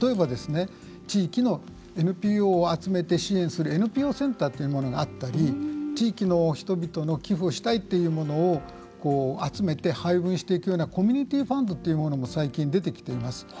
例えば地域のＮＰＯを集めて支援するＮＰＯセンターというものがあったり地域の人々の寄付をしたいっていうものを集めて配分していくようなコミュニティーファンドというものも最近出てきています。